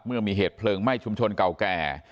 เมื่อมีเหตุเพลิงไหม้ชุมชนเก่าแก่